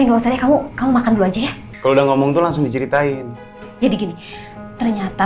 kalau saya kamu kamu makan dulu aja ya kalau udah ngomong tuh langsung diceritain jadi gini ternyata